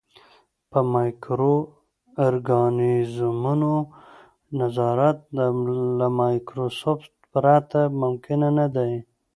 په مایکرو ارګانیزمونو نظارت له مایکروسکوپ پرته ممکن نه دی.